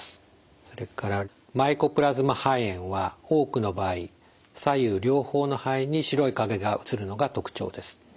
それからマイコプラズマ肺炎は多くの場合左右両方の肺に白い影が写るのが特徴です。